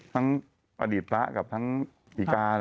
ทั้งอดีตปะกับทั้งพี่กาแล้วนะ